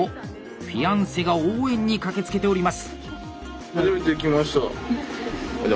フィアンセが応援に駆けつけております！